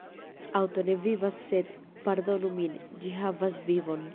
Aŭto ne vivas sed – pardonu min – ĝi havas vivon.